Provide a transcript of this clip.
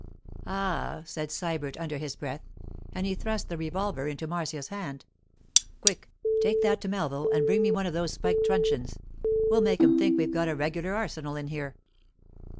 'Ah!' said Sybert under his breath, and he thrust the revolver into Marcia's hand. 'Quick, take that to Melville and bring me one of those spiked truncheons. We'll make 'em think we've got a regular arsenal in here.